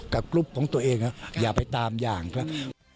กับกลุ่มของตัวเองอย่าไปตามอย่างครับ